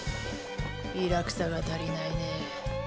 イラクサが足りないね。